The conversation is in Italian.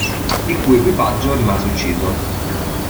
Il cui equipaggio rimase ucciso.